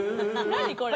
何これ。